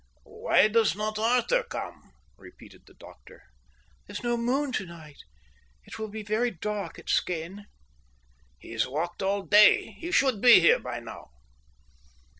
"Why does not Arthur come?" repeated the doctor. "There's no moon tonight. It will be very dark at Skene." "He's walked all day. He should be here by now."